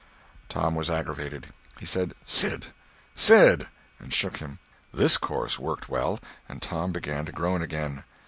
Tom was aggravated. He said, "Sid, Sid!" and shook him. This course worked well, and Tom began to groan again.